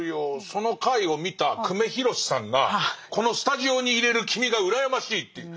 その回を見た久米宏さんがこのスタジオにいれる君が羨ましいっていう。